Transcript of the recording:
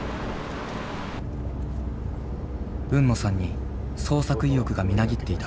海野さんに創作意欲がみなぎっていた。